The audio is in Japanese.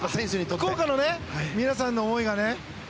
福岡の皆さんの思いがね。